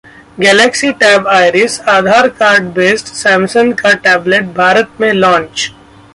Galaxy Tab Iris: Aadhaar card based Samsung का टैबलेट भारत में लॉन्च